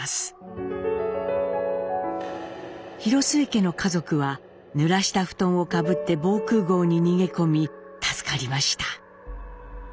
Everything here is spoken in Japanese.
広末家の家族はぬらした布団をかぶって防空壕に逃げ込み助かりました。